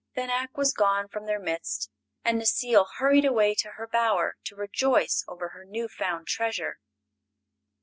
Then Ak was gone from their midst, and Necile hurried away to her bower to rejoice over her new found treasure.